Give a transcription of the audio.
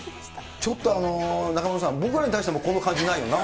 ちょっと中丸君、僕らに対してもこういう感じないよな。